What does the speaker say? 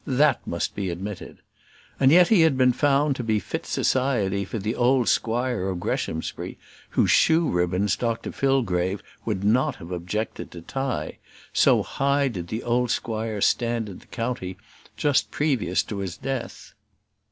That must be admitted. And yet he had been found to be fit society for the old squire of Greshamsbury, whose shoe ribbons Dr Fillgrave would not have objected to tie; so high did the old squire stand in the county just previous to his death.